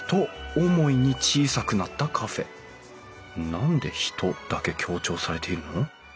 何で“ひと”だけ強調されているの？